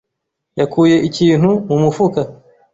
Yakuye ikintu mu mufuka.